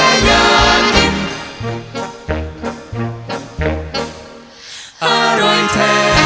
เมนูไข่เมนูไข่อร่อยแท้ยักษ์กิน